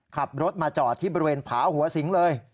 ขับรถมาจอดที่บริเวณผาหัวสิงเลย